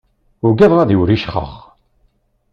Ugadeɣ ad wriccxeɣ.